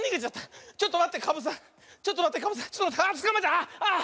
ああ。